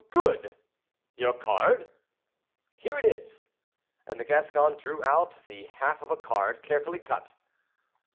"Good! Your card?" "Here it is;" and the Gascon drew out the half of a card, carefully cut.